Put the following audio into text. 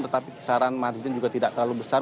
tetapi kisaran margin juga tidak terlalu besar